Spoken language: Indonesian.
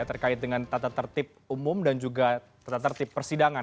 terkait dengan tata tertib umum dan juga tata tertib persidangan